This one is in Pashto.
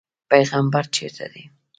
پیغمبر چېرته دی.